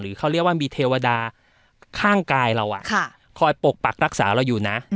หรือเขาเรียกว่ามีเทวดาข้างกายเราอ่ะค่ะคอยปกปักรักษาเราอยู่น่ะอืม